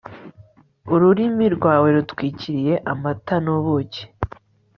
ururimi rwawe rutwikiriye amata n'ubuki